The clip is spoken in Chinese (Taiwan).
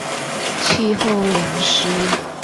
氣候涼溼